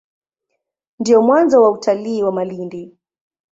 Ndio mwanzo wa utalii wa Malindi.